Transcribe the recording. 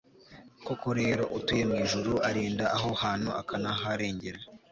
koko rero, utuye mu ijuru arinda aho hantu akanaharengera